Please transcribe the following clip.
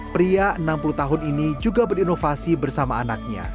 pria enam puluh tahun ini juga berinovasi bersama anaknya